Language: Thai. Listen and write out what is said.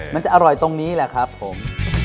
มันจะอร่อยตรงนี้แหละครับผม